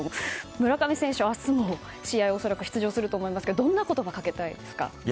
村上選手は、明日の試合も恐らく出場すると思いますけどどんな言葉をかけたいですか。